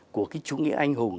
của cái chú nghĩa anh hùng